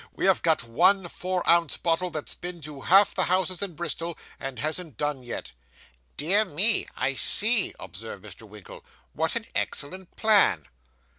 We have got one four ounce bottle that's been to half the houses in Bristol, and hasn't done yet.' 'Dear me, I see,' observed Mr. Winkle; 'what an excellent plan!